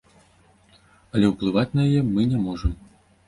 Але ўплываць на яе мы не можам.